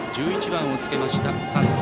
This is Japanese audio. １１番をつけました三野。